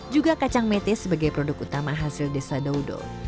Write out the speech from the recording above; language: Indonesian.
juga kacang mete sebagai produk utama hasil desa doudo